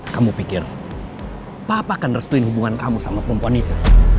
kamu pikir papa akan restuin hubungan kamu sama perempuan itu